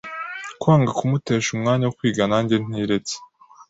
kwanga kumutesha umwanya wo kwiga nanjye ntiretse.